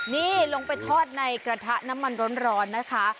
นี่ลงไปทอดในกระทะน้ำมันร้อนนะคะ